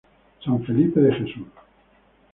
San Felipe de Jesús.